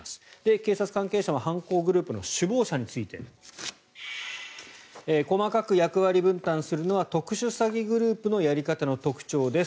警察関係者も犯行グループの首謀者について細かく役割分担するのは特殊詐欺グループのやり方の特徴です